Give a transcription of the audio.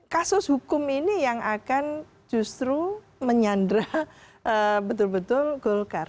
kasus hukum ini yang akan justru menyandra betul betul golkar